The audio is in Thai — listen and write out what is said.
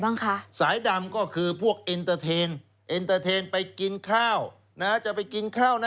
นั่งกินข้าวเป็นเพื่อนอย่างนี้ค่ะจะได้รู้สึกบันเทิง